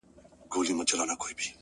چاته يې لمنه كي څـه رانــه وړل”